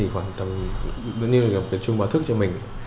gần như là trung báo thức cho mình